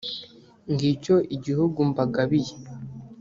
ngicyo igihugu mbagabiye.